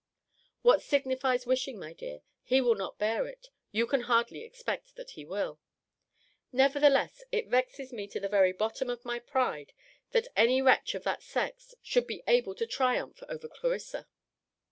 What signifies wishing, my dear? He will not bear it. You can hardly expect that he will. Nevertheless, it vexed me to the very bottom of my pride, that any wretch of that sex should be able to triumph over Clarissa.